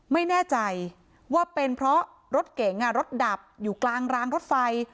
ไม่แน่ใจว่าเป็นเพราะรถเก๋งรถดับอยู่กลางรางรถไฟ